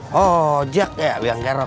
lo belum berangkat din